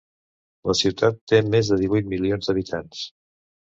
La ciutat té més de divuit milions d’habitants.